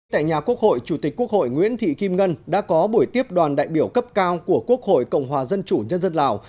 tại nhà quốc hội chủ tịch quốc hội nguyễn thị kim ngân đã có buổi tiếp đoàn đại biểu cấp cao của quốc hội cộng hòa dân chủ nhân dân lào